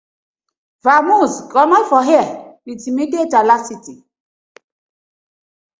Vamoose comot for here with immediate alarcrity.